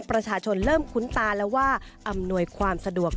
ประชาชนเริ่มคุ้นตาแล้วว่าอำนวยความสะดวก